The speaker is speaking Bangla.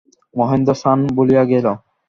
মহেন্দ্র স্নান ভুলিয়া গেল।